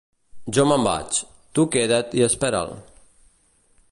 Jo me'n vaig: tu queda't i espera'l.